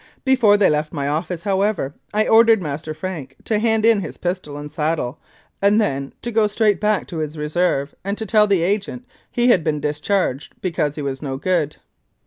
Before they left my office, however, I ordered Master Frank to hand in his pistol and saddle and then to go straight back to his Reserve and to tell the Agent he had been discharged because he was no good.